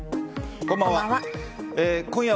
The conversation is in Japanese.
こんばんは。